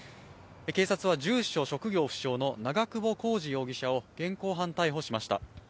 警察は住所・職業不詳の長久保浩二容疑者を現行犯逮捕しました。